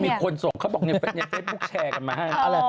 มีคนส่งเขาบอกในเฟซบุ๊คแชร์กันมาให้